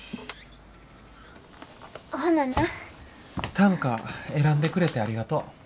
短歌選んでくれてありがとう。